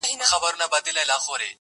چي سپارې مي د هغه ظالم دُرې ته،